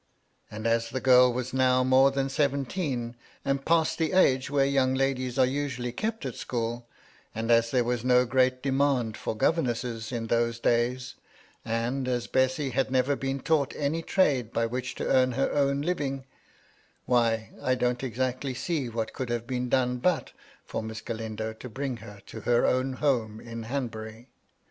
And as the girl was now more than seventeen, and past the age when young ladies are usually kept at school, and as there was no great demand for gover nesses in those days, and as Bessy had never been taught any trade by which to earn her own living, why I don't exactly see what could have been done but for Miss Galindo to bring her to her own home in Hanbury.